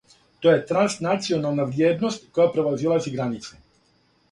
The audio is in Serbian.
То је транснационална вриједност, која превазилази границе.